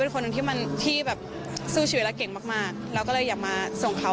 คุณพ่อของน้องจีบอกว่าที่บอกว่าพ่อของอีกคิวมาร่วมแสดงความอารัยในงานสวดศพของน้องจีด้วยคุณพ่อก็ไม่ทันเห็นนะครับ